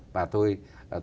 và tôi tin rằng